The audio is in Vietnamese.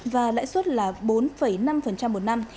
và lãi suất là bốn năm một năm